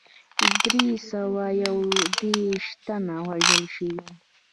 دری سوه یو دېرش تنه وژل شوي.